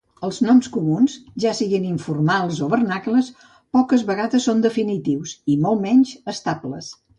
Els noms comuns, ja siguin informals o vernacles, poques vegades són definitius, i molt menys estables.